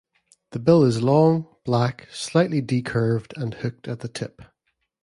The bill is long, black, slightly decurved, and hooked at the tip.